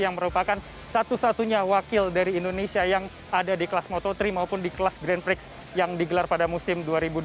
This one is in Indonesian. yang merupakan satu satunya wakil dari indonesia yang ada di kelas moto tiga maupun di kelas grand prix yang digelar pada musim dua ribu dua puluh